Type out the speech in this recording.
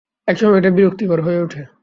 একসময় এটা বিরক্তিকর হয়ে ওঠে।